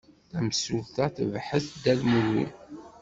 Tamsulta tebḥet Dda Lmulud.